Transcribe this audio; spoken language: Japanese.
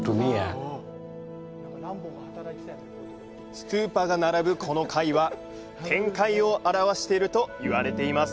ストゥーパが並ぶこの階は天界を表しているといわれています。